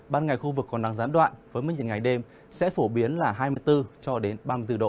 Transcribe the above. ban ngày khu vực còn nắng gián đoạn với mức nhiệt ngày đêm sẽ phổ biến là hai mươi bốn cho đến ba mươi bốn độ